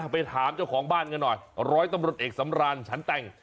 ไปถามเจ้าของบ้านกันหน่อยร้อยตำรวจเอกสำราญฉันแต่ง